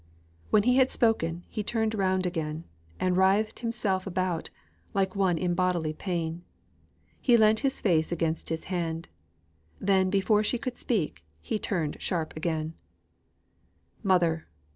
When he had spoken, he turned round again; he writhed himself about, like one in bodily pain. He leant his face against his hand. Then before she could speak, he turned sharp again: "Mother.